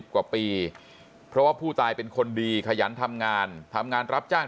กว่าปีเพราะว่าผู้ตายเป็นคนดีขยันทำงานทำงานรับจ้าง